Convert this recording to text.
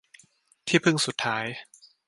ที่พึ่งสุดท้าย